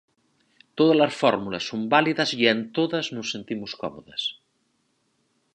Todas as fórmulas son válidas e en todas nos sentimos cómodas.